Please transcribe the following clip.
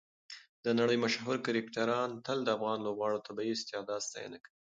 د نړۍ مشهور کرکټران تل د افغان لوبغاړو د طبیعي استعداد ستاینه کوي.